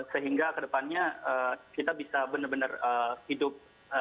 sehingga ke depannya kita bisa benar benar hidup